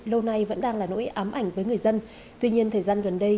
lâu nay vẫn đang là nỗi ám ảnh với người dân tuy nhiên thời gian gần đây